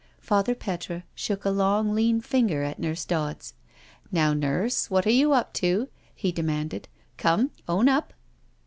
Father Petre shook a long, lean finger at Nurse Dodds. "Now, Nurse, what are you up to?" he demanded. " Come, own up?"